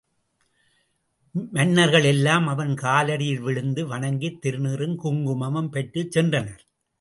மன்னர்கள் எல்லாம் அவன் காலடியில் விழுந்து வணங்கித் திருநீறும் குங்குமமும் பெற்றுச் சென்றனர்.